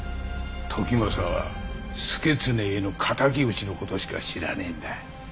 時政は祐経への敵討ちのことしか知らねえんだ。